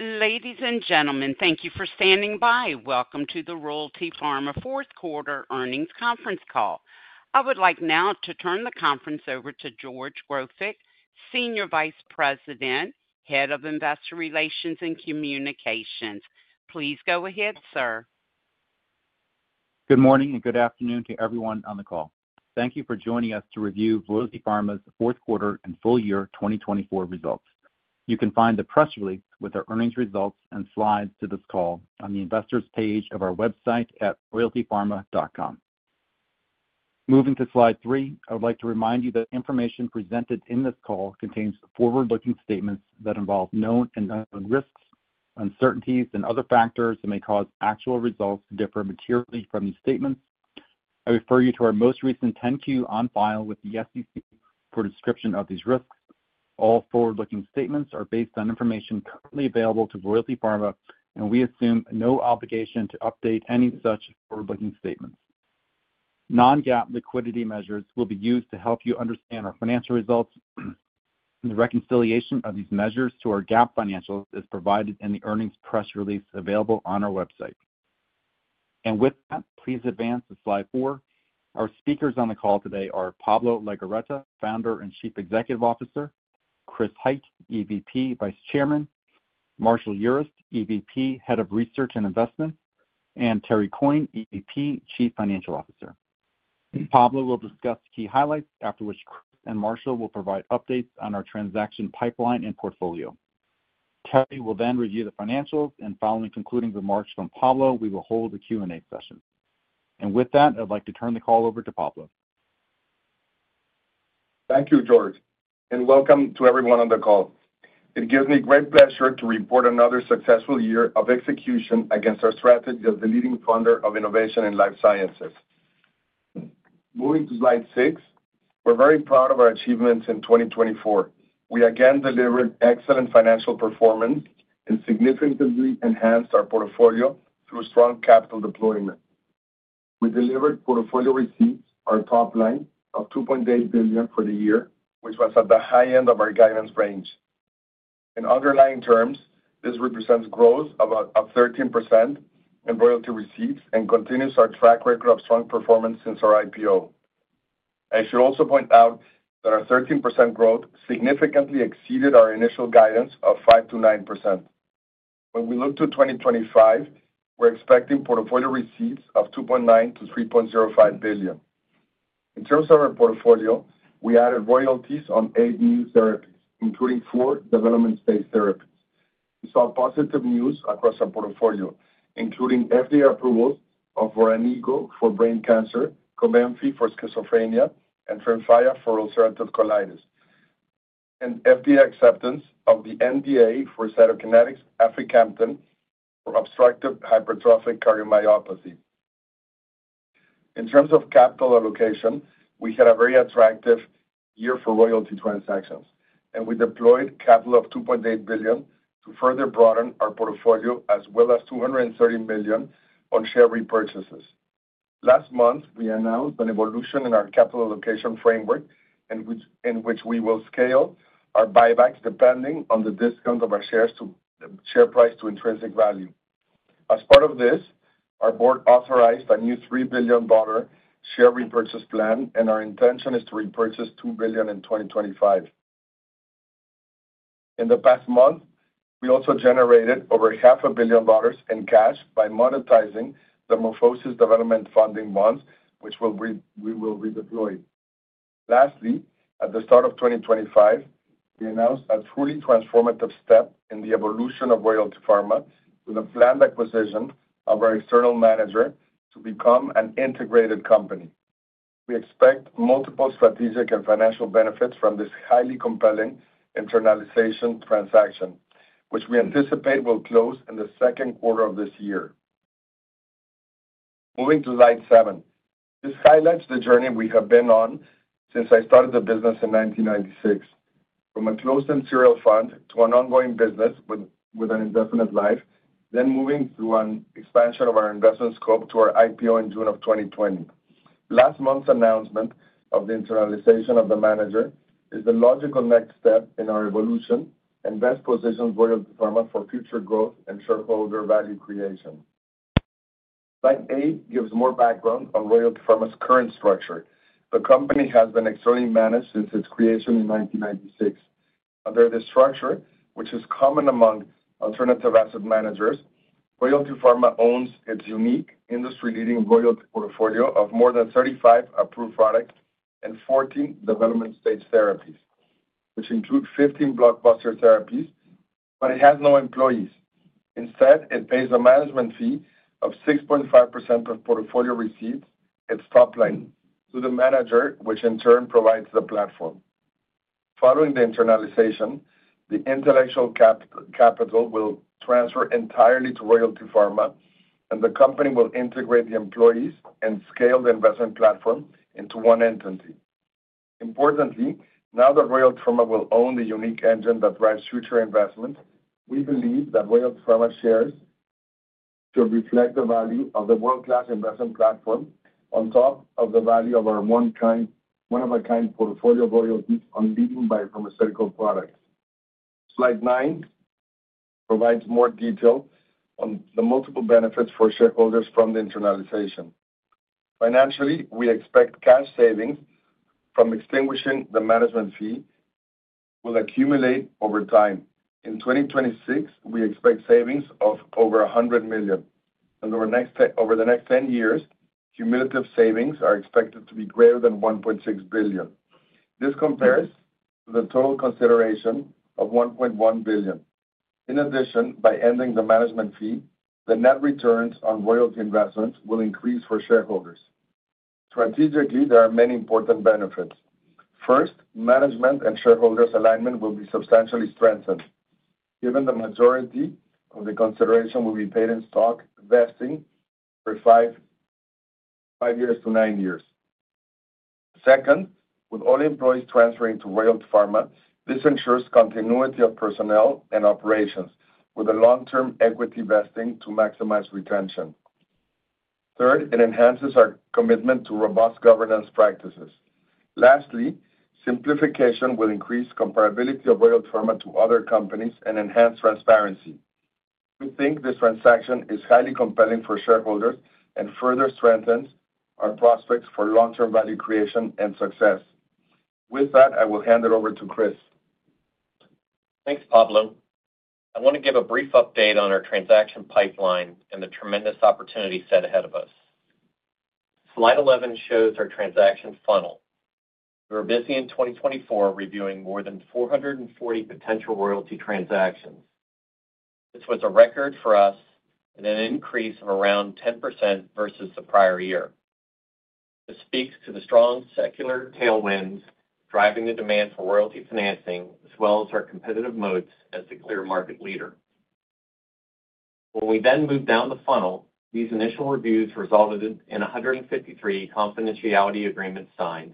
Ladies and gentlemen, thank you for standing by. Welcome to the Royalty Pharma Fourth Quarter Earnings Conference Call. I would like now to turn the conference over to George Grofik, Senior Vice President, Head of Investor Relations and Communications. Please go ahead, sir. Good morning and good afternoon to everyone on the call. Thank you for joining us to review Royalty Pharma's Fourth Quarter and full year 2024 results. You can find the press release with our earnings results and slides to this call on the investors' page of our website at royaltypharma.com. Moving to slide three, I would like to remind you that information presented in this call contains forward-looking statements that involve known and unknown risks, uncertainties, and other factors that may cause actual results to differ materially from these statements. I refer you to our most recent 10-Q on file with the SEC for a description of these risks. All forward-looking statements are based on information currently available to Royalty Pharma, and we assume no obligation to update any such forward-looking statements. Non-GAAP liquidity measures will be used to help you understand our financial results. The reconciliation of these measures to our GAAP financials is provided in the earnings press release available on our website. With that, please advance to slide four. Our speakers on the call today are Pablo Legorreta, Founder and Chief Executive Officer, Chris Hite, EVP, Vice Chairman, Marshall Urist, EVP, Head of Research and Investment, and Terry Coyne, EVP, Chief Financial Officer. Pablo will discuss key highlights, after which Chris and Marshall will provide updates on our transaction pipeline and portfolio. Terry will then review the financials, and following concluding remarks from Pablo, we will hold a Q&A session. With that, I'd like to turn the call over to Pablo. Thank you, George, and welcome to everyone on the call. It gives me great pleasure to report another successful year of execution against our strategy as the leading funder of innovation in life sciences. Moving to slide six, we're very proud of our achievements in 2024. We again delivered excellent financial performance and significantly enhanced our portfolio through strong capital deployment. We delivered portfolio receipts, our top line, of $2.8 billion for the year, which was at the high end of our guidance range. In underlying terms, this represents growth of about 13% in royalty receipts and continues our track record of strong performance since our IPO. I should also point out that our 13% growth significantly exceeded our initial guidance of 5%-9%. When we look to 2025, we're expecting portfolio receipts of $2.9-$3.05 billion. In terms of our portfolio, we added royalties on eight new therapies, including four development-stage therapies. We saw positive news across our portfolio, including FDA approvals of Voranigo for brain cancer, Cobenfy for schizophrenia, and Tremfya for ulcerative colitis, and FDA acceptance of the NDA for Cytokinetics aficamten for obstructive hypertrophic cardiomyopathy. In terms of capital allocation, we had a very attractive year for royalty transactions, and we deployed capital of $2.8 billion to further broaden our portfolio, as well as $230 million on share repurchases. Last month, we announced an evolution in our capital allocation framework, in which we will scale our buybacks depending on the discount of our shares to share price to intrinsic value. As part of this, our board authorized a new $3 billion share repurchase plan, and our intention is to repurchase $2 billion in 2025. In the past month, we also generated over $500 million in cash by monetizing the MorphoSys Development Funding bonds, which we will redeploy. Lastly, at the start of 2025, we announced a truly transformative step in the evolution of Royalty Pharma with a planned acquisition of our external manager to become an integrated company. We expect multiple strategic and financial benefits from this highly compelling internalization transaction, which we anticipate will close in the second quarter of this year. Moving to slide seven, this highlights the journey we have been on since I started the business in 1996, from a closed-end serial fund to an ongoing business with an indefinite life, then moving through an expansion of our investment scope to our IPO in June of 2020. Last month's announcement of the internalization of the manager is the logical next step in our evolution and best positions Royalty Pharma for future growth and shareholder value creation. Slide eight gives more background on Royalty Pharma's current structure. The company has been externally managed since its creation in 1996. Under this structure, which is common among alternative asset managers, Royalty Pharma owns its unique industry-leading royalty portfolio of more than 35 approved products and 14 development-stage therapies, which include 15 blockbuster therapies, but it has no employees. Instead, it pays a management fee of 6.5% of portfolio receipts, its top line, to the manager, which in turn provides the platform. Following the internalization, the intellectual capital will transfer entirely to Royalty Pharma, and the company will integrate the employees and scale the investment platform into one entity. Importantly, now that Royalty Pharma will own the unique engine that drives future investments, we believe that Royalty Pharma's shares should reflect the value of the world-class investment platform on top of the value of our one-of-a-kind portfolio of royalties on leading biopharmaceutical products. Slide nine provides more detail on the multiple benefits for shareholders from the internalization. Financially, we expect cash savings from extinguishing the management fee will accumulate over time. In 2026, we expect savings of over $100 million, and over the next 10 years, cumulative savings are expected to be greater than $1.6 billion. This compares to the total consideration of $1.1 billion. In addition, by ending the management fee, the net returns on royalty investments will increase for shareholders. Strategically, there are many important benefits. First, management and shareholders' alignment will be substantially strengthened, given the majority of the consideration will be paid in stock vesting for five years to nine years. Second, with all employees transferring to Royalty Pharma, this ensures continuity of personnel and operations, with a long-term equity vesting to maximize retention. Third, it enhances our commitment to robust governance practices. Lastly, simplification will increase comparability of Royalty Pharma to other companies and enhance transparency. We think this transaction is highly compelling for shareholders and further strengthens our prospects for long-term value creation and success. With that, I will hand it over to Chris. Thanks, Pablo. I want to give a brief update on our transaction pipeline and the tremendous opportunity set ahead of us. Slide 11 shows our transaction funnel. We were busy in 2024 reviewing more than 440 potential royalty transactions. This was a record for us and an increase of around 10% versus the prior year. This speaks to the strong secular tailwinds driving the demand for royalty financing, as well as our competitive moats as the clear market leader. When we then moved down the funnel, these initial reviews resulted in 153 confidentiality agreements signed,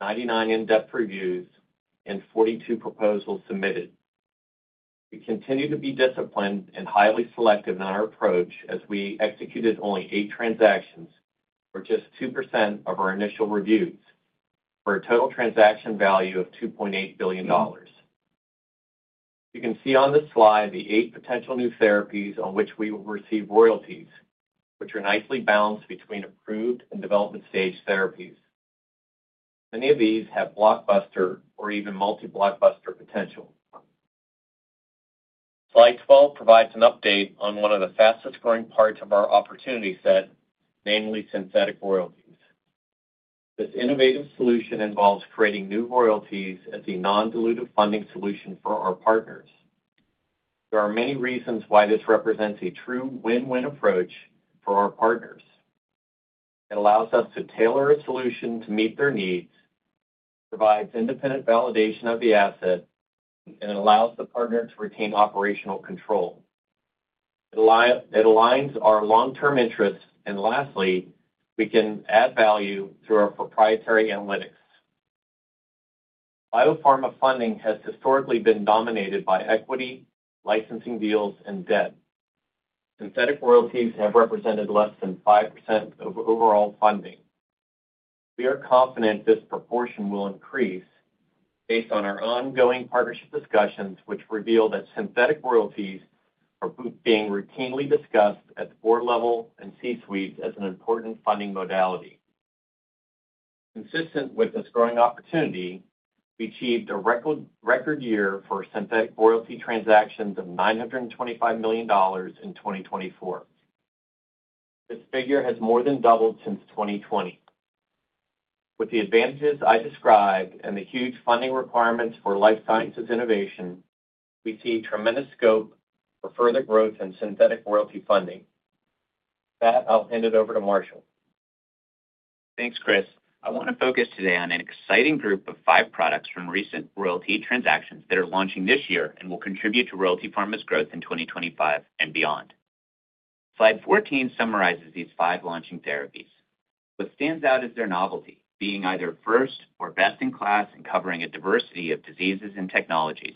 99 in-depth reviews, and 42 proposals submitted. We continue to be disciplined and highly selective in our approach as we executed only eight transactions for just 2% of our initial reviews, for a total transaction value of $2.8 billion. You can see on this slide the eight potential new therapies on which we will receive royalties, which are nicely balanced between approved and development-stage therapies. Many of these have blockbuster or even multi-blockbuster potential. Slide 12 provides an update on one of the fastest-growing parts of our opportunity set, namely synthetic royalties. This innovative solution involves creating new royalties as a non-dilutive funding solution for our partners. There are many reasons why this represents a true win-win approach for our partners. It allows us to tailor a solution to meet their needs, provides independent validation of the asset, and allows the partner to retain operational control. It aligns our long-term interests, and lastly, we can add value through our proprietary analytics. Biopharma funding has historically been dominated by equity, licensing deals, and debt. Synthetic royalties have represented less than 5% of overall funding. We are confident this proportion will increase based on our ongoing partnership discussions, which reveal that synthetic royalties are being routinely discussed at the board level and C-suites as an important funding modality. Consistent with this growing opportunity, we achieved a record year for synthetic royalty transactions of $925 million in 2024. This figure has more than doubled since 2020. With the advantages I described and the huge funding requirements for life sciences innovation, we see tremendous scope for further growth in synthetic royalty funding. With that, I'll hand it over to Marshall. Thanks, Chris. I want to focus today on an exciting group of five products from recent royalty transactions that are launching this year and will contribute to Royalty Pharma's growth in 2025 and beyond. Slide 14 summarizes these five launching therapies. What stands out is their novelty, being either first or best in class in covering a diversity of diseases and technologies.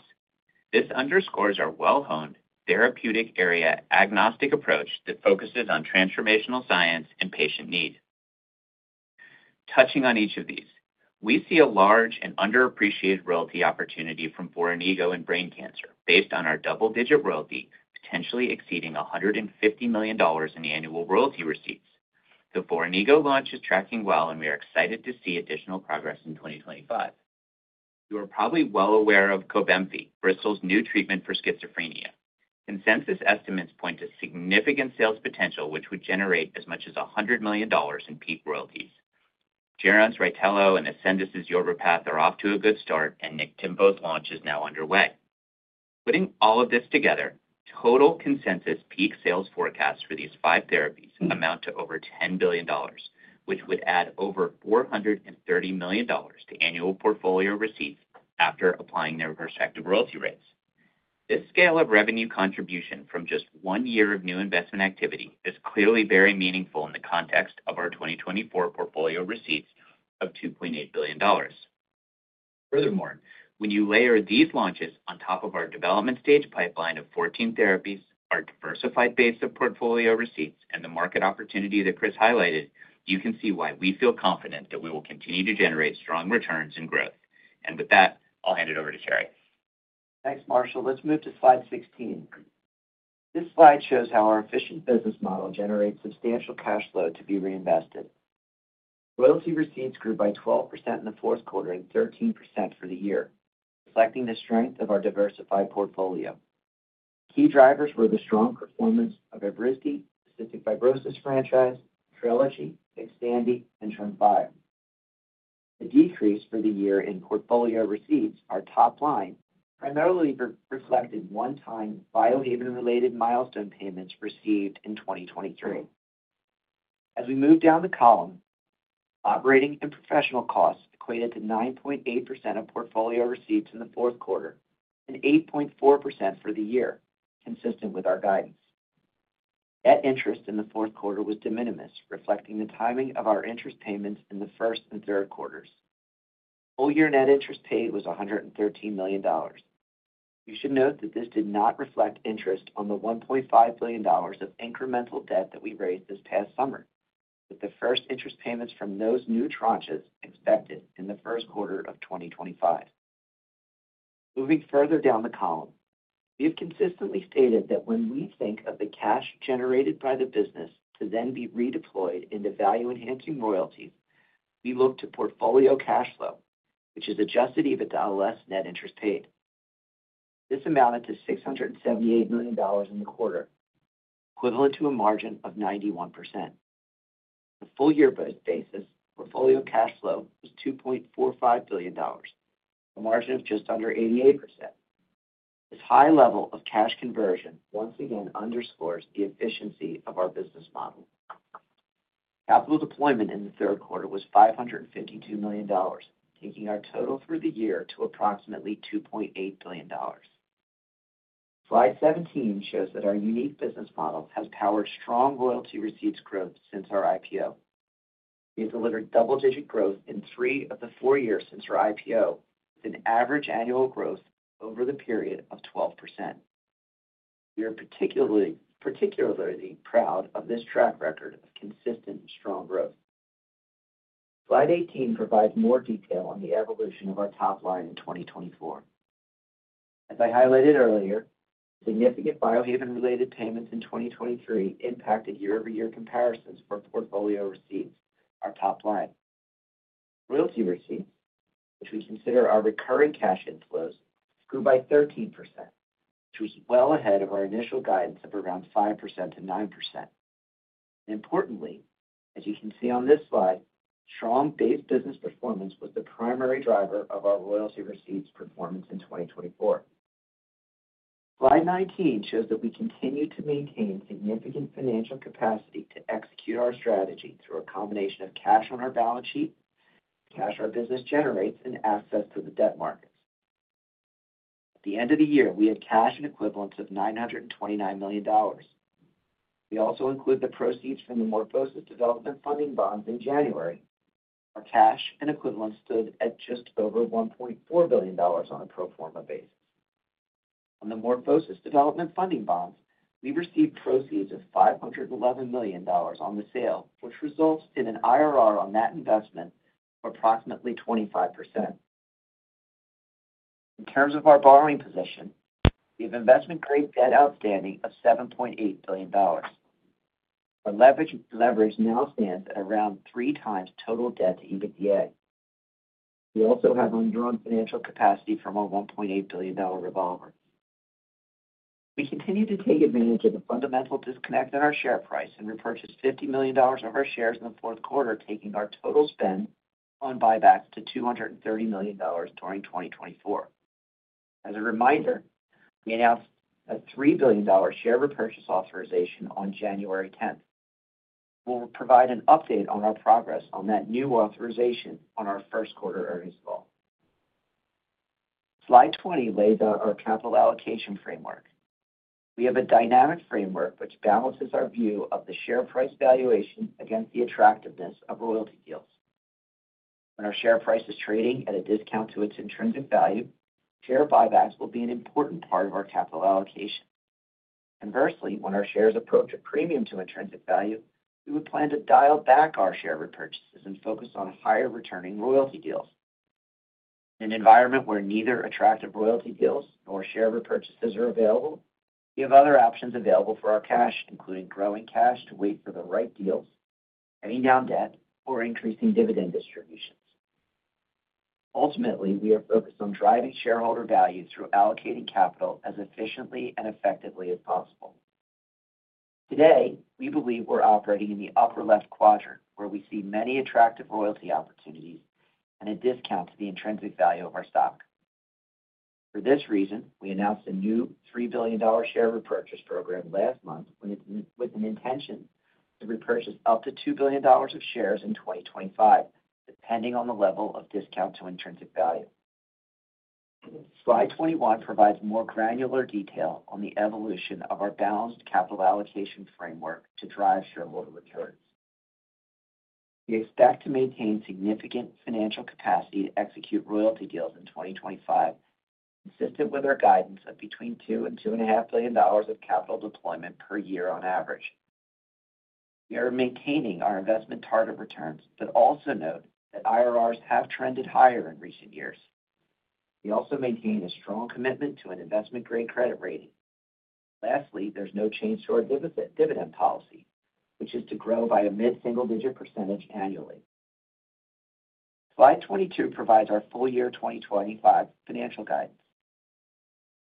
This underscores our well-honed therapeutic area agnostic approach that focuses on transformational science and patient need. Touching on each of these, we see a large and underappreciated royalty opportunity from Voranigo and brain cancer, based on our double-digit royalty potentially exceeding $150 million in annual royalty receipts. The Voranigo launch is tracking well, and we are excited to see additional progress in 2025. You are probably well aware of Cobenfy, Bristol's new treatment for schizophrenia. Consensus estimates point to significant sales potential, which would generate as much as $100 million in peak royalties. Rytelo and Ascendis' YORVIPATH are off to a good start, and Niktimvo's launch is now underway. Putting all of this together, total consensus peak sales forecasts for these five therapies amount to over $10 billion, which would add over $430 million to annual portfolio receipts after applying their prospective royalty rates. This scale of revenue contribution from just one year of new investment activity is clearly very meaningful in the context of our 2024 portfolio receipts of $2.8 billion. Furthermore, when you layer these launches on top of our development-stage pipeline of 14 therapies, our diversified base of portfolio receipts, and the market opportunity that Chris highlighted, you can see why we feel confident that we will continue to generate strong returns and growth. With that, I'll hand it over to Terry. Thanks, Marshall. Let's move to slide 16. This slide shows how our efficient business model generates substantial cash flow to be reinvested. Royalty receipts grew by 12% in the fourth quarter and 13% for the year, reflecting the strength of our diversified portfolio. Key drivers were the strong performance of Evrysdi, cystic fibrosis franchise, Trelegy, Xtandi, and Tremfya. The decrease for the year in portfolio receipts, our top line, primarily reflected one-time Biohaven-related milestone payments received in 2023. As we move down the column, operating and professional costs equated to 9.8% of portfolio receipts in the fourth quarter and 8.4% for the year, consistent with our guidance. Net interest in the fourth quarter was de minimis, reflecting the timing of our interest payments in the first and third quarters. Full-year net interest paid was $113 million. You should note that this did not reflect interest on the $1.5 billion of incremental debt that we raised this past summer, with the first interest payments from those new tranches expected in the first quarter of 2025. Moving further down the column, we have consistently stated that when we think of the cash generated by the business to then be redeployed into value-enhancing royalties, we look to portfolio cash flow, which is adjusted even to less net interest paid. This amounted to $678 million in the quarter, equivalent to a margin of 91%. On a full-year basis, portfolio cash flow was $2.45 billion, a margin of just under 88%. This high level of cash conversion once again underscores the efficiency of our business model. Capital deployment in the third quarter was $552 million, taking our total for the year to approximately $2.8 billion. Slide 17 shows that our unique business model has powered strong royalty receipts growth since our IPO. We have delivered double-digit growth in three of the four years since our IPO, with an average annual growth over the period of 12%. We are particularly proud of this track record of consistent strong growth. Slide 18 provides more detail on the evolution of our top line in 2024. As I highlighted earlier, significant Biohaven-related payments in 2023 impacted year-over-year comparisons for portfolio receipts, our top line. Royalty receipts, which we consider our recurring cash inflows, grew by 13%, which was well ahead of our initial guidance of around 5%-9%. Importantly, as you can see on this slide, strong base business performance was the primary driver of our royalty receipts performance in 2024. Slide 19 shows that we continue to maintain significant financial capacity to execute our strategy through a combination of cash on our balance sheet, cash our business generates, and access to the debt markets. At the end of the year, we had cash and equivalents of $929 million. We also include the proceeds from the MorphoSys Development Funding Bonds in January. Our cash and equivalents stood at just over $1.4 billion on a pro forma basis. On the MorphoSys Development Funding Bonds, we received proceeds of $511 million on the sale, which results in an IRR on that investment of approximately 25%. In terms of our borrowing position, we have investment-grade debt outstanding of $7.8 billion. Our leverage now stands at around three times total debt to EBITDA. We also have undrawn financial capacity from our $1.8 billion revolver. We continue to take advantage of the fundamental disconnect in our share price and repurchased $50 million of our shares in the fourth quarter, taking our total spend on buybacks to $230 million during 2024. As a reminder, we announced a $3 billion share repurchase authorization on January 10th. We'll provide an update on our progress on that new authorization on our first quarter earnings call. Slide 20 lays out our capital allocation framework. We have a dynamic framework which balances our view of the share price valuation against the attractiveness of royalty deals. When our share price is trading at a discount to its intrinsic value, share buybacks will be an important part of our capital allocation. Conversely, when our shares approach a premium to intrinsic value, we would plan to dial back our share repurchases and focus on higher-returning royalty deals. In an environment where neither attractive royalty deals nor share repurchases are available, we have other options available for our cash, including holding cash to wait for the right deals, paying down debt, or increasing dividend distributions. Ultimately, we are focused on driving shareholder value through allocating capital as efficiently and effectively as possible. Today, we believe we're operating in the upper left quadrant, where we see many attractive royalty opportunities and a discount to the intrinsic value of our stock. For this reason, we announced a new $3 billion share repurchase program last month with an intention to repurchase up to $2 billion of shares in 2025, depending on the level of discount to intrinsic value. Slide 21 provides more granular detail on the evolution of our balanced capital allocation framework to drive shareholder returns. We expect to maintain significant financial capacity to execute royalty deals in 2025, consistent with our guidance of between $2 and $2.5 billion of capital deployment per year on average. We are maintaining our investment target returns, but also note that IRRs have trended higher in recent years. We also maintain a strong commitment to an investment-grade credit rating. Lastly, there's no change to our dividend policy, which is to grow by a mid-single-digit % annually. Slide 22 provides our full-year 2025 financial guidance.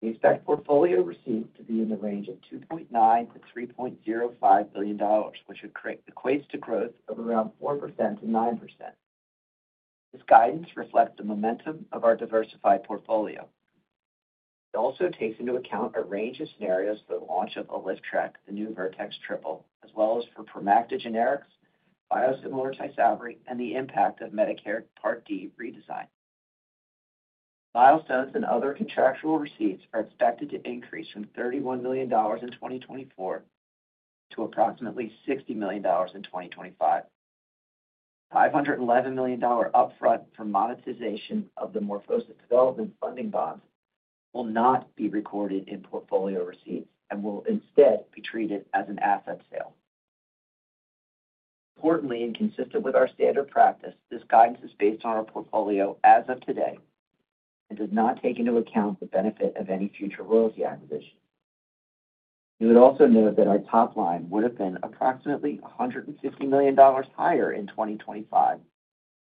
We expect portfolio receipts to be in the range of $2.9-$3.05 billion, which equates to growth of around 4%-9%. This guidance reflects the momentum of our diversified portfolio. It also takes into account a range of scenarios for the launch of Trikafta, the new Vertex triple, as well as for Promacta generics, biosimilar Tysabri, and the impact of Medicare Part D redesign. Milestones and other contractual receipts are expected to increase from $31 million in 2024 to approximately $60 million in 2025. The $511 million upfront for monetization of the MorphoSys Development Funding Bonds will not be recorded in portfolio receipts and will instead be treated as an asset sale. Importantly, and consistent with our standard practice, this guidance is based on our portfolio as of today and does not take into account the benefit of any future royalty acquisitions. You would also note that our top line would have been approximately $150 million higher in 2025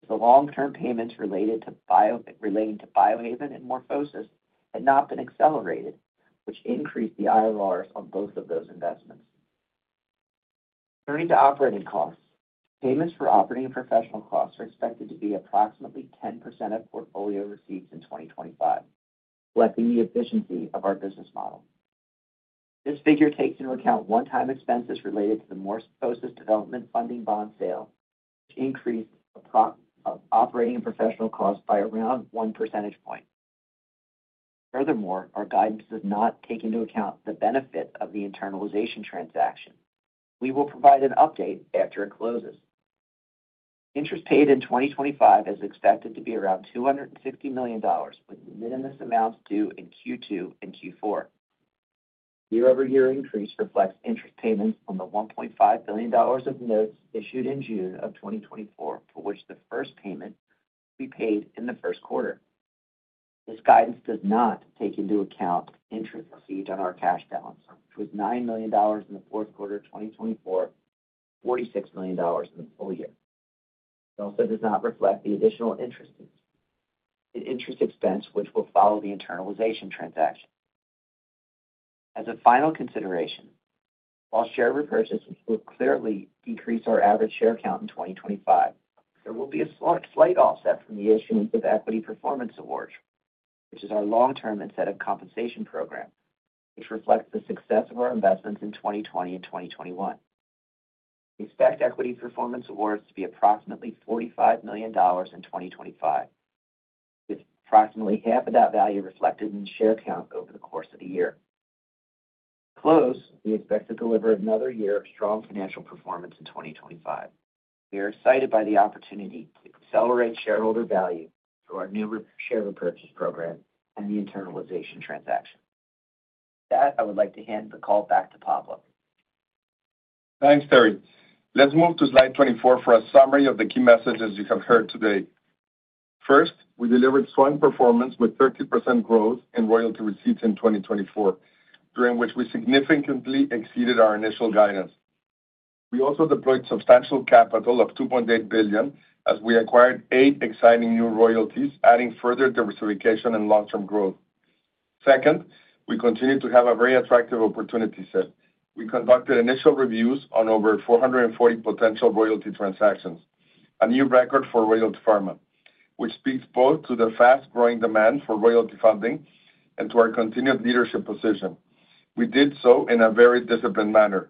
if the long-term payments relating to Biohaven and MorphoSys had not been accelerated, which increased the IRRs on both of those investments. Turning to operating costs, payments for operating and professional costs are expected to be approximately 10% of portfolio receipts in 2025, reflecting the efficiency of our business model. This figure takes into account one-time expenses related to the MorphoSys Development Funding Bond sale, which increased operating and professional costs by around one percentage point. Furthermore, our guidance does not take into account the benefit of the internalization transaction. We will provide an update after it closes. Interest paid in 2025 is expected to be around $260 million, with minimal amounts due in Q2 and Q4. Year-over-year increase reflects interest payments on the $1.5 billion of notes issued in June of 2024, for which the first payment will be paid in the first quarter. This guidance does not take into account interest received on our cash balance, which was $9 million in the fourth quarter of 2024 and $46 million in the full year. It also does not reflect the additional interest expense, which will follow the internalization transaction. As a final consideration, while share repurchases will clearly decrease our average share count in 2025, there will be a slight offset from the issuance of equity performance awards, which is our long-term incentive compensation program, which reflects the success of our investments in 2020 and 2021. We expect equity performance awards to be approximately $45 million in 2025, with approximately half of that value reflected in the share count over the course of the year. To close, we expect to deliver another year of strong financial performance in 2025. We are excited by the opportunity to accelerate shareholder value through our new share repurchase program and the internalization transaction. With that, I would like to hand the call back to Pablo. Thanks, Terry. Let's move to slide 24 for a summary of the key messages you have heard today. First, we delivered strong performance with 30% growth in royalty receipts in 2024, during which we significantly exceeded our initial guidance. We also deployed substantial capital of $2.8 billion as we acquired eight exciting new royalties, adding further diversification and long-term growth. Second, we continue to have a very attractive opportunity set. We conducted initial reviews on over 440 potential royalty transactions, a new record for Royalty Pharma, which speaks both to the fast-growing demand for royalty funding and to our continued leadership position. We did so in a very disciplined manner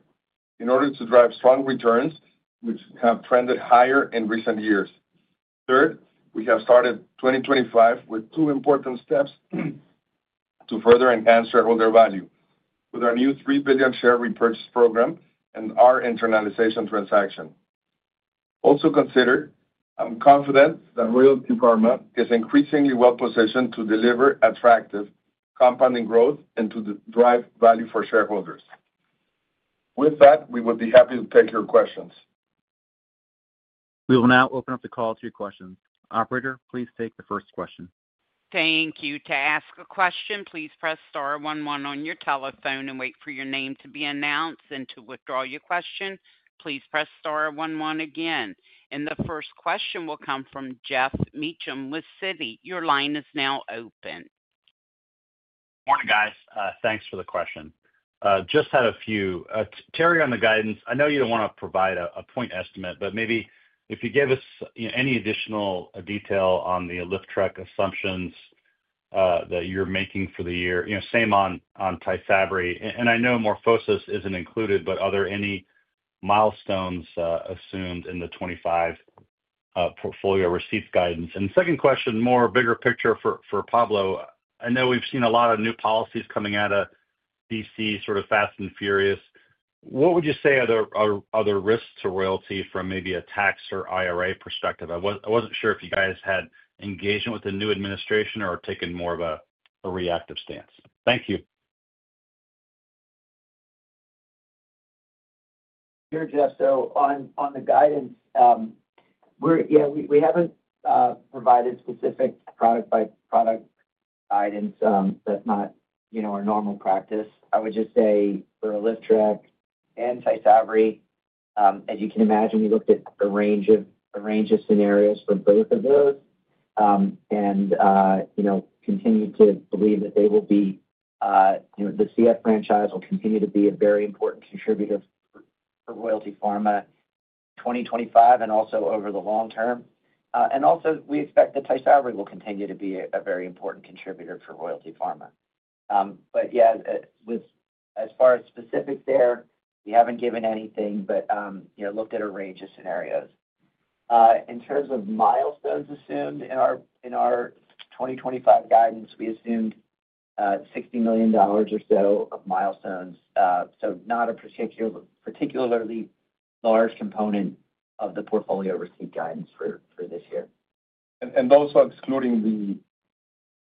in order to drive strong returns, which have trended higher in recent years. Third, we have started 2025 with two important steps to further enhance shareholder value with our new $3 billion share repurchase program and our internalization transaction. Also considered, I'm confident that Royalty Pharma is increasingly well-positioned to deliver attractive compounding growth and to drive value for shareholders. With that, we would be happy to take your questions. We will now open up the call to your questions. Operator, please take the first question. Thank you. To ask a question, please press star 11 on your telephone and wait for your name to be announced. And to withdraw your question, please press star 11 again. And the first question will come from Geoff Meacham with Citi. Your line is now open. Good morning, guys. Thanks for the question. Just had a few. Terry, on the guidance, I know you don't want to provide a point estimate, but maybe if you give us any additional detail on the Vanzacaftor assumptions that you're making for the year, same on Tysabri. And I know MorphoSys isn't included, but are there any milestones assumed in the 2025 portfolio receipts guidance? And second question, more big-picture for Pablo. I know we've seen a lot of new policies coming out of DC, sort of fast and furious. What would you say are the risks to Royalty from maybe a tax or IRA perspective? I wasn't sure if you guys had engagement with the new administration or taken more of a reactive stance. Thank you. Sure, Geoff. So on the guidance, yeah, we haven't provided specific product-by-product guidance. That's not our normal practice. I would just say for Trikafta and Tysabri, as you can imagine, we looked at a range of scenarios for both of those and continue to believe that the CF franchise will continue to be a very important contributor for Royalty Pharma in 2025 and also over the long term. And also, we expect that Tysabri will continue to be a very important contributor for Royalty Pharma. But yeah, as far as specifics there, we haven't given anything but looked at a range of scenarios. In terms of milestones assumed in our 2025 guidance, we assumed $60 million or so of milestones. So not a particularly large component of the portfolio receipts guidance for this year. Those are excluding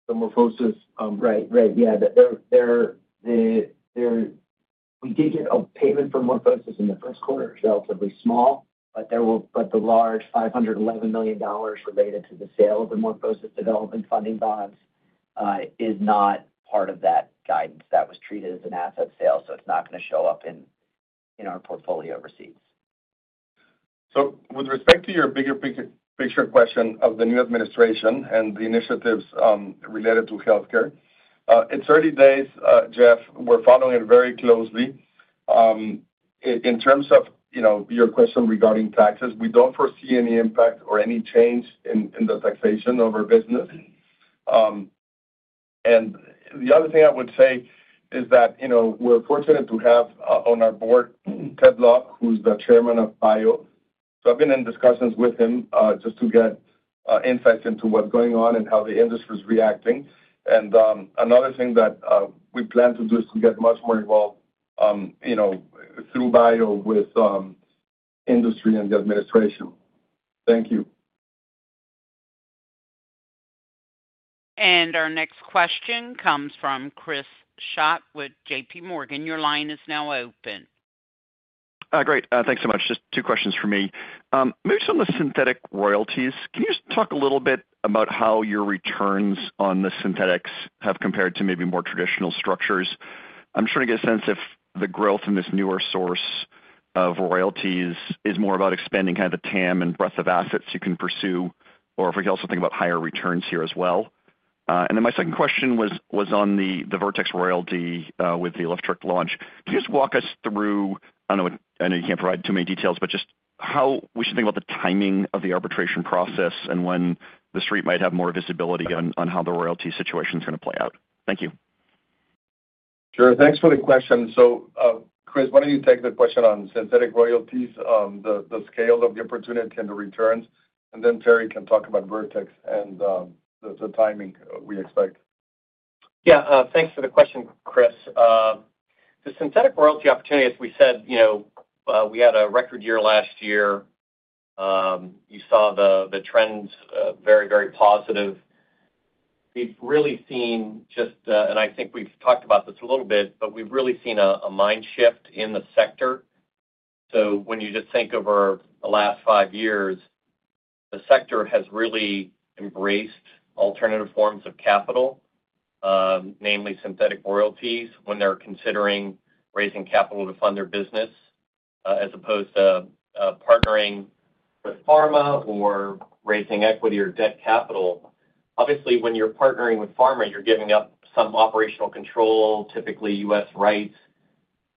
the MorphoSys. Right, right. Yeah. We did get a payment from MorphoSys in the first quarter, which is relatively small, but the large $511 million related to the sale of the MorphoSys Development Funding Bonds is not part of that guidance. That was treated as an asset sale, so it's not going to show up in our portfolio receipts. So with respect to your bigger picture question of the new administration and the initiatives related to healthcare, it's early days, Geoff. We're following it very closely. In terms of your question regarding taxes, we don't foresee any impact or any change in the taxation of our business. And the other thing I would say is that we're fortunate to have on our board Ted Love, who's the chairman of BIO. So I've been in discussions with him just to get insights into what's going on and how the industry is reacting. And another thing that we plan to do is to get much more involved through BIO with industry and the administration. Thank you. Our next question comes from Chris Schott with J.P. Morgan. Your line is now open. Great. Thanks so much. Just two questions for me. Moving to the synthetic royalties, can you just talk a little bit about how your returns on the synthetics have compared to maybe more traditional structures? I'm just trying to get a sense if the growth in this newer source of royalties is more about expanding kind of the TAM and breadth of assets you can pursue, or if we can also think about higher returns here as well. And then my second question was on the Vertex royalty with the Vanzacaftor launch. Can you just walk us through, I know you can't provide too many details, but just how we should think about the timing of the arbitration process and when the street might have more visibility on how the royalty situation is going to play out? Thank you. Sure. Thanks for the question. So Chris, why don't you take the question on synthetic royalties, the scale of the opportunity and the returns, and then Terry can talk about Vertex and the timing we expect. Yeah. Thanks for the question, Chris. The synthetic royalty opportunity, as we said, we had a record year last year. You saw the trends very, very positive. We've really seen just, and I think we've talked about this a little bit, but we've really seen a mind shift in the sector. So when you just think over the last five years, the sector has really embraced alternative forms of capital, namely synthetic royalties, when they're considering raising capital to fund their business as opposed to partnering with Pharma or raising equity or debt capital. Obviously, when you're partnering with Pharma, you're giving up some operational control, typically U.S. rights.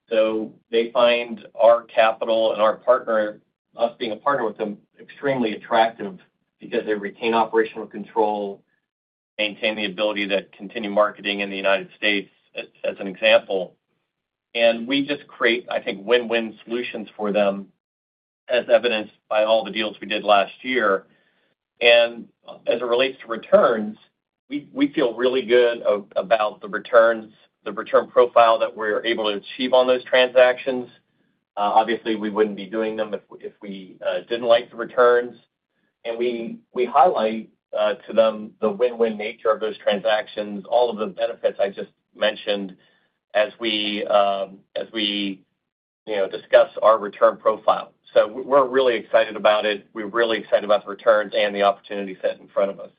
So they find our capital and our partner, us being a partner with them, extremely attractive because they retain operational control, maintain the ability to continue marketing in the United States, as an example. And we just create, I think, win-win solutions for them, as evidenced by all the deals we did last year. And as it relates to returns, we feel really good about the return profile that we're able to achieve on those transactions. Obviously, we wouldn't be doing them if we didn't like the returns. And we highlight to them the win-win nature of those transactions, all of the benefits I just mentioned as we discuss our return profile. So we're really excited about it. We're really excited about the returns and the opportunity set in front of us.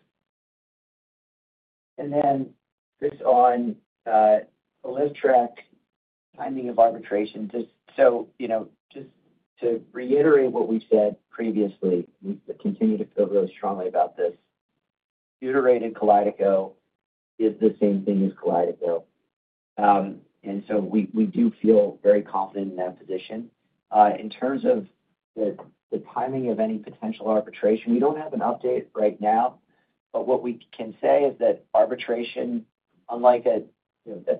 And then just on the Vanzacaftor, timing of arbitration. So just to reiterate what we've said previously, we continue to feel really strongly about this. Deuterated Kalydeco is the same thing as Kalydeco. And so we do feel very confident in that position. In terms of the timing of any potential arbitration, we don't have an update right now, but what we can say is that arbitration, unlike a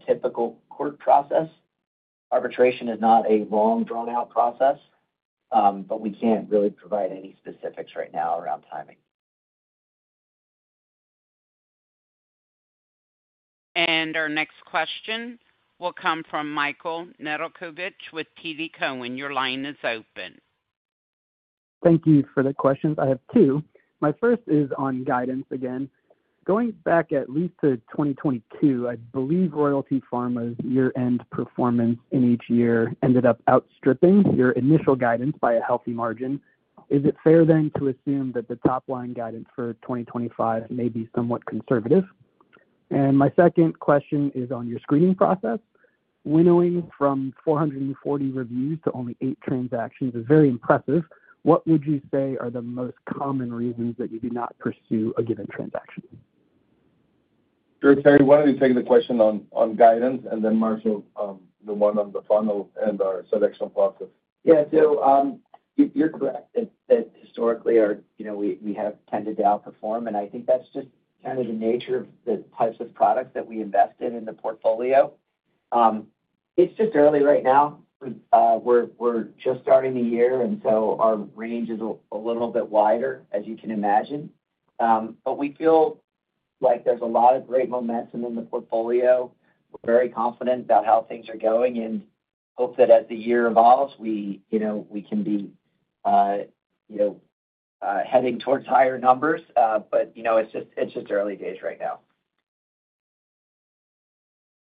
typical court process, arbitration is not a long, drawn-out process, but we can't really provide any specifics right now around timing. Our next question will come from Michael Nedelcovych with TD Cowen. Your line is open. Thank you for the questions. I have two. My first is on guidance again. Going back at least to 2022, I believe Royalty Pharma's year-end performance in each year ended up outstripping your initial guidance by a healthy margin. Is it fair then to assume that the top-line guidance for 2025 may be somewhat conservative? And my second question is on your screening process. Winnowing from 440 reviews to only eight transactions is very impressive. What would you say are the most common reasons that you do not pursue a given transaction? Sure, Terry. Why don't you take the question on guidance, and then Marshall, the one on the final and our selection process? Yeah. So you're correct that historically, we have tended to outperform, and I think that's just kind of the nature of the types of products that we invest in the portfolio. It's just early right now. We're just starting the year, and so our range is a little bit wider, as you can imagine. But we feel like there's a lot of great momentum in the portfolio. We're very confident about how things are going and hope that as the year evolves, we can be heading towards higher numbers. But it's just early days right now.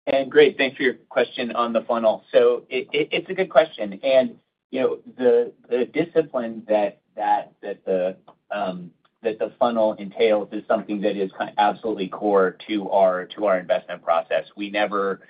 And great. Thanks for your question on the funnel. So it's a good question. And the discipline that the funnel entails is something that is absolutely core to our investment process. We never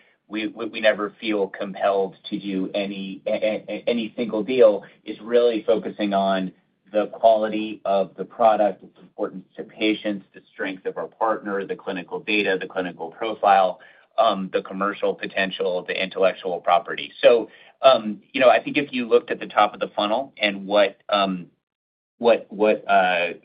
feel compelled to do any single deal. It's really focusing on the quality of the product, its importance to patients, the strength of our partner, the clinical data, the clinical profile, the commercial potential, the intellectual property. So I think if you looked at the top of the funnel and what skinnies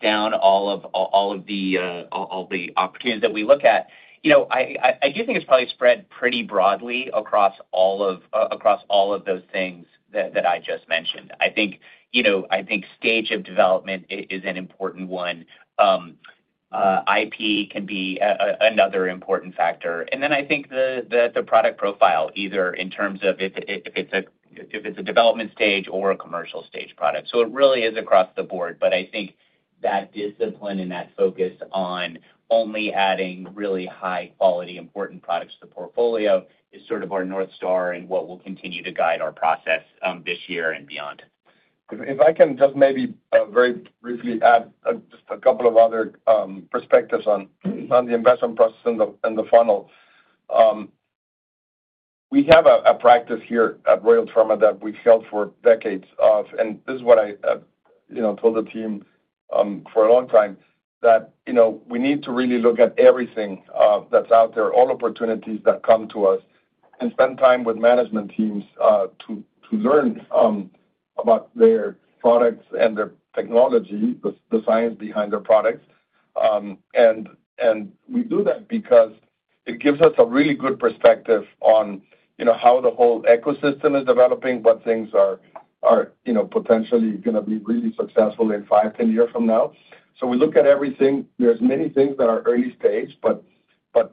down all of the opportunities that we look at, I do think it's probably spread pretty broadly across all of those things that I just mentioned. I think stage of development is an important one. IP can be another important factor. And then I think the product profile, either in terms of if it's a development stage or a commercial stage product. So it really is across the board. But I think that discipline and that focus on only adding really high-quality, important products to the portfolio is sort of our north star and what will continue to guide our process this year and beyond. If I can just maybe very briefly add just a couple of other perspectives on the investment process and the funnel. We have a practice here at Royalty Pharma that we've held for decades of, and this is what I told the team for a long time, that we need to really look at everything that's out there, all opportunities that come to us, and spend time with management teams to learn about their products and their technology, the science behind their products. And we do that because it gives us a really good perspective on how the whole ecosystem is developing, what things are potentially going to be really successful in five, 10 years from now. So we look at everything. There's many things that are early stage, but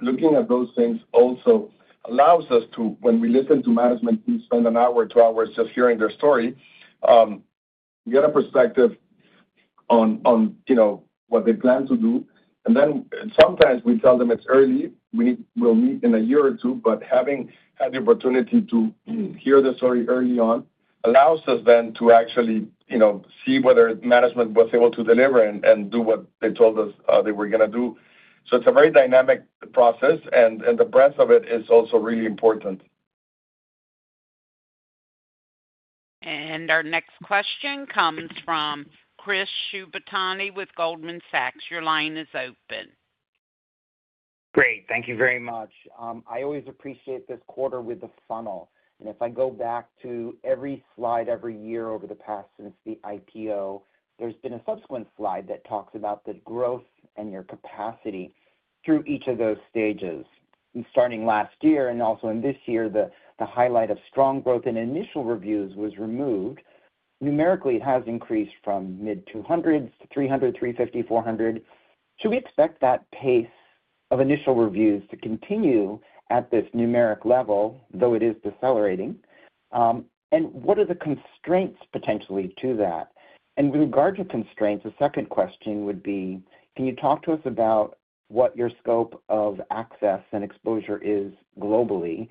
looking at those things also allows us to, when we listen to management teams, spend an hour, two hours just hearing their story, get a perspective on what they plan to do, and then sometimes we tell them it's early. We'll meet in a year or two, but having had the opportunity to hear the story early on allows us then to actually see whether management was able to deliver and do what they told us they were going to do, so it's a very dynamic process, and the breadth of it is also really important. Our next question comes from Chris Shibutani with Goldman Sachs. Your line is open. Great. Thank you very much. I always appreciate this quarter with the funnel, and if I go back to every slide every year over the past since the IPO, there's been a subsequent slide that talks about the growth and your capacity through each of those stages, and starting last year and also in this year, the highlight of strong growth in initial reviews was removed. Numerically, it has increased from mid-200s to 300, 350, 400. Should we expect that pace of initial reviews to continue at this numeric level, though it is decelerating, and what are the constraints potentially to that, and with regard to constraints, the second question would be, can you talk to us about what your scope of access and exposure is globally?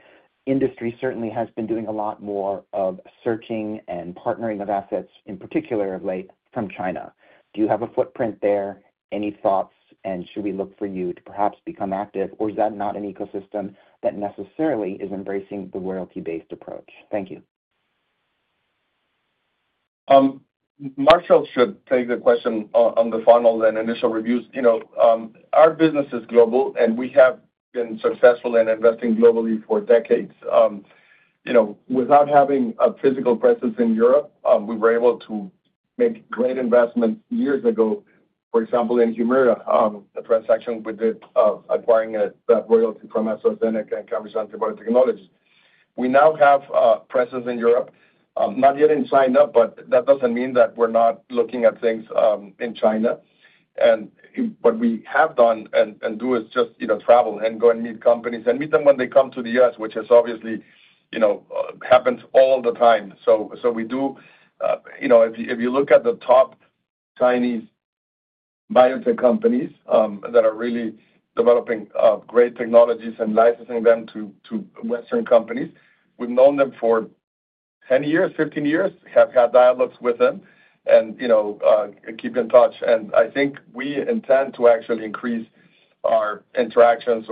Industry certainly has been doing a lot more of searching and partnering of assets, in particular, of late from China. Do you have a footprint there? Any thoughts? And should we look for you to perhaps become active, or is that not an ecosystem that necessarily is embracing the royalty-based approach? Thank you. Marshall should take the question on the funnel and initial reviews. Our business is global, and we have been successful in investing globally for decades. Without having a physical presence in Europe, we were able to make great investments years ago, for example, in Humira, a transaction we did acquiring that royalty from AstraZeneca and Cambridge Antibody Technology. We now have presence in Europe. Not yet in China, but that doesn't mean that we're not looking at things in China. What we have done and do is just travel and go and meet companies and meet them when they come to the U.S., which has obviously happened all the time. We do, if you look at the top Chinese biotech companies that are really developing great technologies and licensing them to Western companies, we've known them for 10 years, 15 years, have had dialogues with them and keep in touch. I think we intend to actually increase our interactions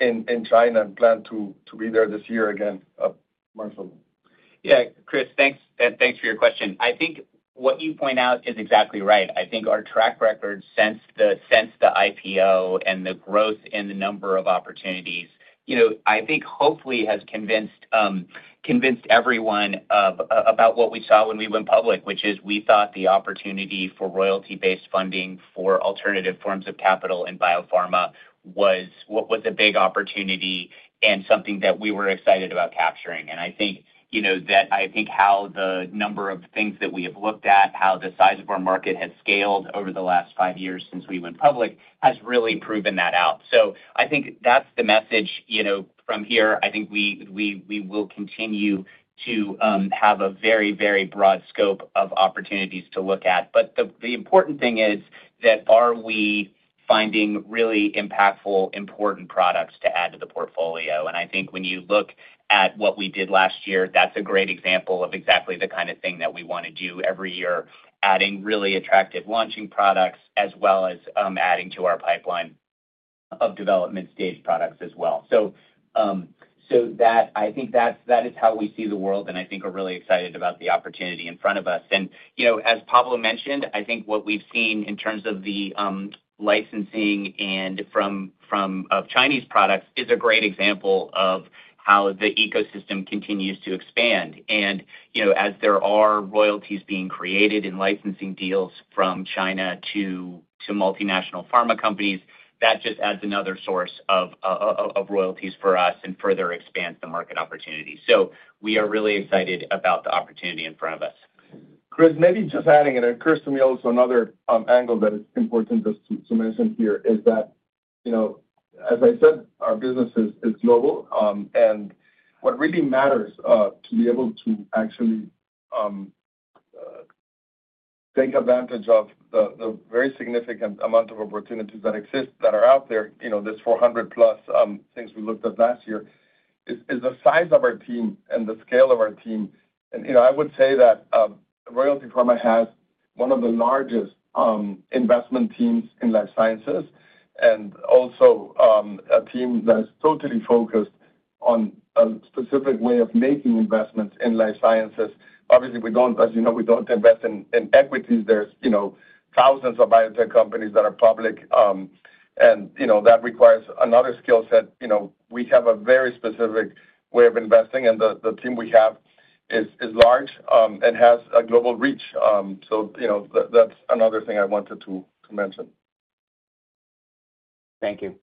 in China and plan to be there this year again. Marshall. Yeah. Chris, thanks. And thanks for your question. I think what you point out is exactly right. I think our track record since the IPO and the growth in the number of opportunities, I think hopefully has convinced everyone about what we saw when we went public, which is we thought the opportunity for royalty-based funding for alternative forms of capital in biopharma was a big opportunity and something that we were excited about capturing. And I think that I think how the number of things that we have looked at, how the size of our market has scaled over the last five years since we went public, has really proven that out. So I think that's the message from here. I think we will continue to have a very, very broad scope of opportunities to look at. But the important thing is that are we finding really impactful, important products to add to the portfolio? And I think when you look at what we did last year, that's a great example of exactly the kind of thing that we want to do every year, adding really attractive launching products as well as adding to our pipeline of development-stage products as well. So I think that is how we see the world, and I think we're really excited about the opportunity in front of us. And as Pablo mentioned, I think what we've seen in terms of the licensing and from Chinese products is a great example of how the ecosystem continues to expand. And as there are royalties being created in licensing deals from China to multinational pharma companies, that just adds another source of royalties for us and further expands the market opportunity. We are really excited about the opportunity in front of us. Chris, maybe just adding in a cursory also another angle that is important just to mention here is that, as I said, our business is global, and what really matters to be able to actually take advantage of the very significant amount of opportunities that exist that are out there, this 400-plus things we looked at last year, is the size of our team and the scale of our team, and I would say that Royalty Pharma has one of the largest investment teams in life sciences and also a team that is totally focused on a specific way of making investments in life sciences. Obviously, as you know, we don't invest in equities. There's thousands of biotech companies that are public, and that requires another skill set. We have a very specific way of investing, and the team we have is large and has a global reach. So that's another thing I wanted to mention. Thank you.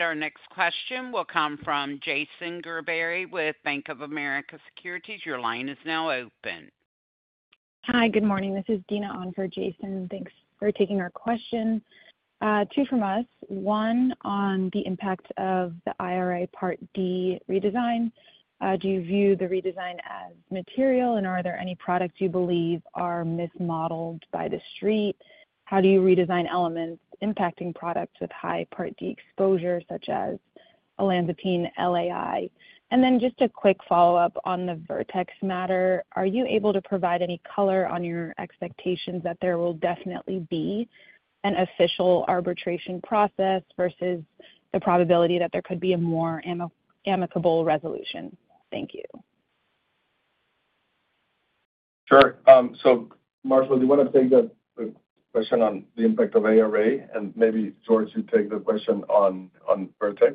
Our next question will come from Jason Gerberry with Bank of America Securities. Your line is now open. Hi, good morning. This is Dina on for Jason. Thanks for taking our question. Two from us. One on the impact of the IRA Part D redesign. Do you view the redesign as material, and are there any products you believe are mismodeled by the street? How do you redesign elements impacting products with high Part D exposure, such as Olanzapine LAI? And then just a quick follow-up on the Vertex matter. Are you able to provide any color on your expectations that there will definitely be an official arbitration process versus the probability that there could be a more amicable resolution? Thank you. Sure. So Marshall, do you want to take the question on the impact of IRA? And maybe George should take the question on Vertex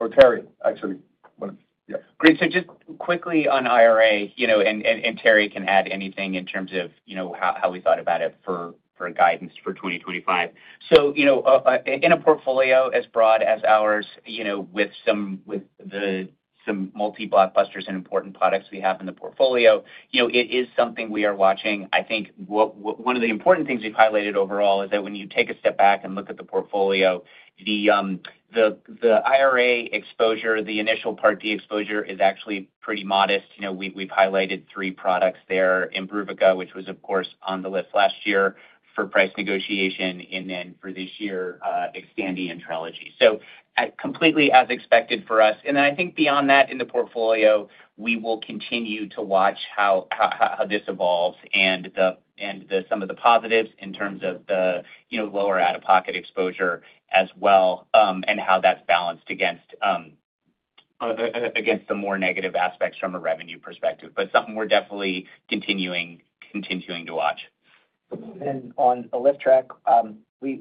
or Terry, actually. Yeah. Great. So just quickly on IRA, and Terry can add anything in terms of how we thought about it for guidance for 2025. So in a portfolio as broad as ours, with some multi-blockbusters and important products we have in the portfolio, it is something we are watching. I think one of the important things we've highlighted overall is that when you take a step back and look at the portfolio, the IRA exposure, the initial Part D exposure, is actually pretty modest. We've highlighted three products there: Imbruvica, which was, of course, on the list last year for price negotiation, and then for this year, Xtandi and Trelegy. So completely as expected for us. And then I think beyond that, in the portfolio, we will continue to watch how this evolves and some of the positives in terms of the lower out-of-pocket exposure as well and how that's balanced against the more negative aspects from a revenue perspective. But something we're definitely continuing to watch. On a lit track, we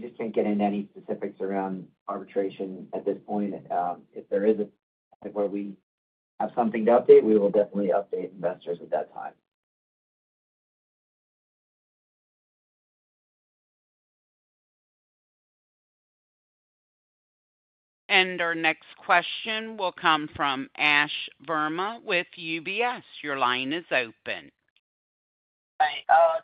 just can't get into any specifics around arbitration at this point. If there is a point where we have something to update, we will definitely update investors at that time. Our next question will come from Ash Verma with UBS. Your line is open.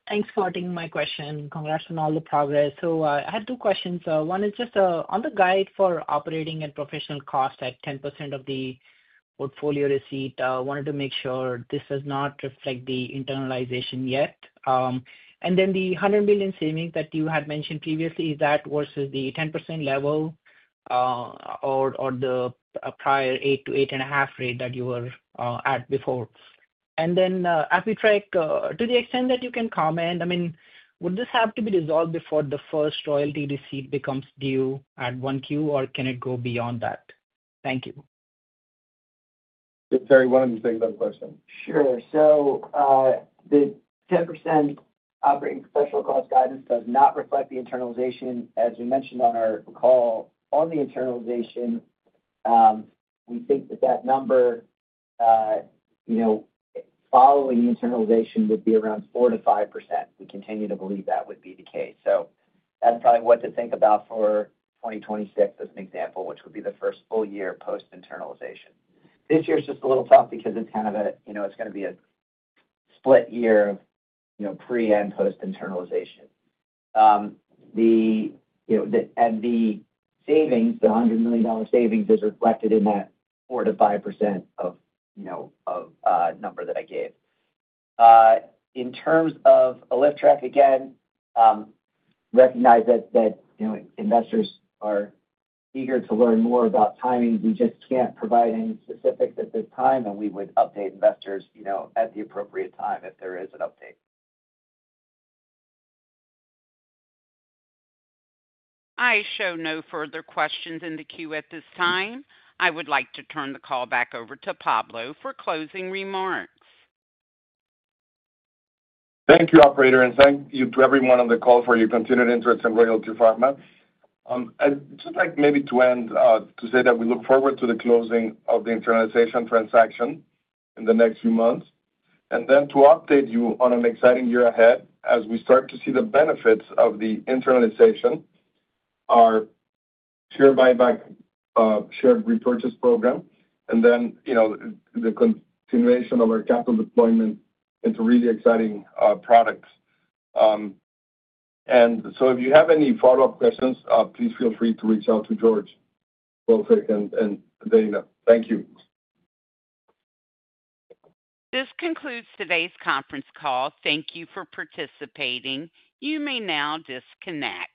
Thanks for taking my question. Congrats on all the progress. So I had two questions. One is just on the guidance for operating and professional costs at 10% of the portfolio receipts. I wanted to make sure this does not reflect the internalization yet. And then the $100 million savings that you had mentioned previously, is that versus the 10% level or the prior 8% to 8.5% rate that you were at before? And then to the extent that you can comment, I mean, would this have to be resolved before the first royalty receipt becomes due at 1Q, or can it go beyond that? Thank you. Terry, one of the things I'm questioning. Sure. So the 10% operating professional cost guidance does not reflect the internalization. As we mentioned on our call, on the internalization, we think that that number following the internalization would be around 4%-5%. We continue to believe that would be the case. So that's probably what to think about for 2026 as an example, which would be the first full year post-internalization. This year is just a little tough because it's kind of going to be a split year of pre and post-internalization. And the savings, the $100 million savings, is reflected in that 4%-5% number that I gave. In terms of Vanzacaftor, again, recognize that investors are eager to learn more about timing. We just can't provide any specifics at this time, and we would update investors at the appropriate time if there is an update. I show no further questions in the queue at this time. I would like to turn the call back over to Pablo for closing remarks. Thank you, operator, and thank you to everyone on the call for your continued interest in Royalty Pharma. I'd just like maybe to end to say that we look forward to the closing of the internalization transaction in the next few months and then to update you on an exciting year ahead as we start to see the benefits of the internalization, our share repurchase program, and then the continuation of our capital deployment into really exciting products and so if you have any follow-up questions, please feel free to reach out to George Grofik, and Dana. Thank you. This concludes today's conference call. Thank you for participating. You may now disconnect.